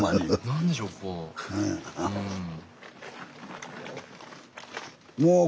何でしょう